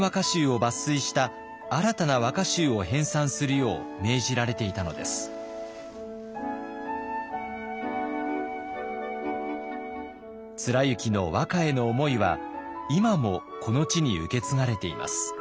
貫之の和歌への思いは今もこの地に受け継がれています。